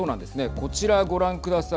こちらご覧ください。